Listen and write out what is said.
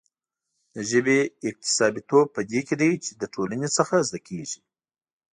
د ژبې اکتسابيتوب په دې کې دی چې له ټولنې څخه زده کېږي.